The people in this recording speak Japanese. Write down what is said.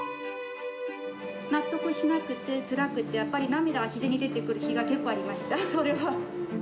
納得しなくて、つらくて、やっぱり涙が自然に出てくる日が結構ありました、それは。